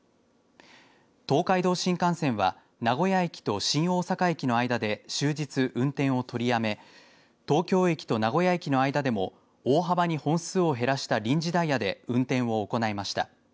東海道新幹線は名古屋駅と新大阪駅の間で終日、運転を取りやめ東京駅と名古屋駅の間でも大幅に本数を減らした臨時ダイヤで運転を行いました。